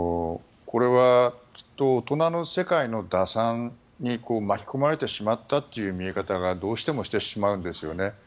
きっと大人の世界の打算に巻き込まれてしまったという見え方がどうしてもしてしまうんですよね。